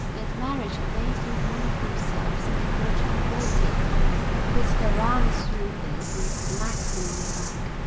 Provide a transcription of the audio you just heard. His marriage had made him one of themselves and they called him Bertie. They put their arms through his and smacked him on the back.